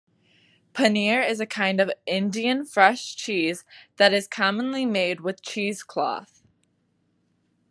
Paneer is a kind of Indian fresh cheese that is commonly made with cheesecloth.